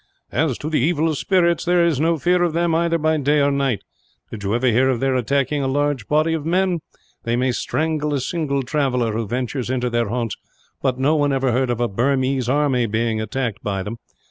"As to the evil spirits, there is no fear of them, either by day or night. Did you ever hear of their attacking a large body of men? They may strangle a single traveller, who ventures into their haunts; but no one ever heard of a Burmese army being attacked by them.